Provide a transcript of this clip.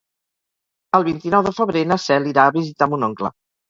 El vint-i-nou de febrer na Cel irà a visitar mon oncle.